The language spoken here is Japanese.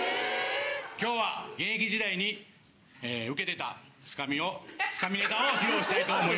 今日は現役時代にウケてたツカミをツカみネタを披露したいと思います。